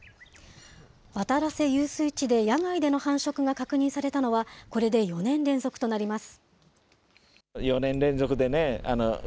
渡良瀬遊水地で野外での繁殖が確認されたのはこれで４年連続となります。